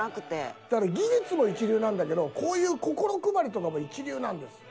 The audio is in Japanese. だから技術も一流なんだけどこういう心配りとかも一流なんです。